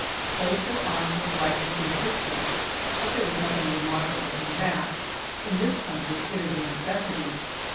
Both were armed with rifles and pistols, but there was nothing remarkable in that; in this country it is a necessity.